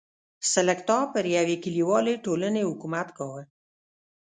سلکتا پر یوې کلیوالې ټولنې حکومت کاوه.